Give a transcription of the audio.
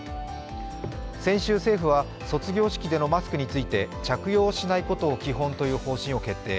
先週、政府は卒業式でのマスクについて着用しないことを基本という方針を決定。